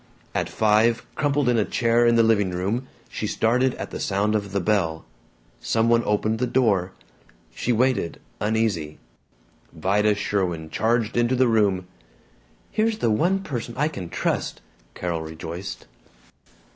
At five, crumpled in a chair in the living room, she started at the sound of the bell. Some one opened the door. She waited, uneasy. Vida Sherwin charged into the room. "Here's the one person I can trust!" Carol rejoiced.